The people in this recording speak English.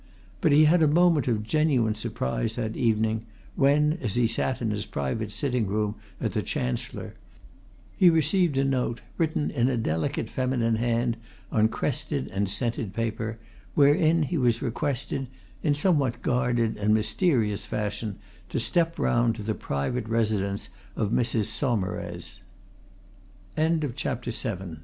But he had a moment of genuine surprise that evening, when, as he sat in his private sitting room at the Chancellor, he received a note, written in a delicate feminine hand on crested and scented paper, wherein he was requested, in somewhat guarded and mysterious fashion, to step round to the private residence of Mrs. Saumarez. CHAPTER VIII MRS. SAUMAREZ Brent, at that mome